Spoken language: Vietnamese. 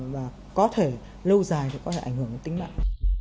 và có thể lâu dài thì có thể ảnh hưởng đến tính mạng